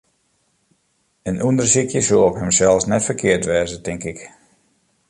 In ûndersykje soe op himsels net ferkeard wêze, tink ik.